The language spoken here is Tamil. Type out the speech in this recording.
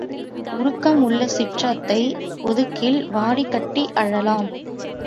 உருக்கம் உள்ள சிற்றாத்தை, ஒதுக்கில் வாடி கட்டி அழலாம்.